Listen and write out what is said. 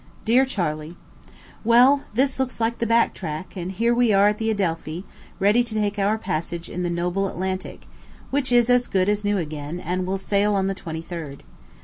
DEAR CHARLEY: Well, this looks like the back track; and here we are at the Adelphi, ready to take our passage in the noble Atlantic, which is as good as new again, and will sail on the twenty third.